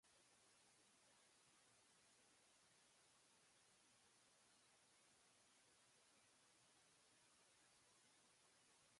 間接金融とは金融機関が自ら発行した証券によって調達した資金で赤字主体が発行した証券を取得すること。